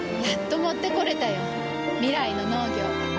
やっと持ってこれたよ。未来の農業。